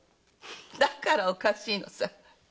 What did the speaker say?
だからおかしいのさ。